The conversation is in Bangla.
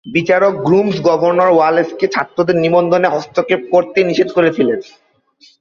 বিচারক গ্রুমস গভর্নর ওয়ালেসকে ছাত্রদের নিবন্ধনে হস্তক্ষেপ করতে নিষেধ করেছিলেন।